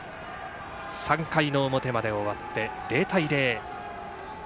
３回の表まで終わって０対０。